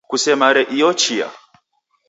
Kusemare iyo chia